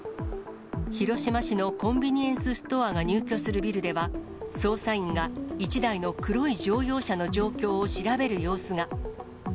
広島市のコンビニエンスストアが入居するビルでは、捜査員が１台の黒い乗用車の状況を調べる様子が。